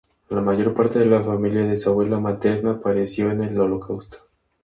La mayor parte de la familia de su abuela materna pereció en el Holocausto.